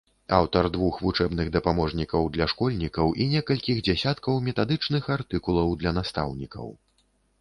Аўтар двух вучэбных дапаможнікаў для школьнікаў і некалькіх дзясяткаў метадычных артыкулаў для настаўнікаў.